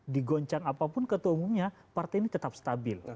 di goncang apapun ketua umumnya partai ini tetap stabil